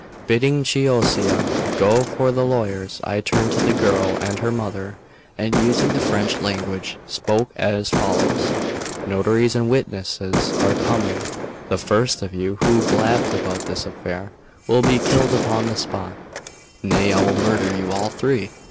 Bidding Chioccia go for the lawyers, I turned to the girl and her mother, and, using the French language, spoke as follows: "Notaries and witnesses are coming; the first of you who blabs about this affair will be killed upon the spot; nay, I will murder you all three.